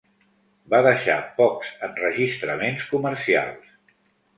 Va deixar pocs enregistraments comercials.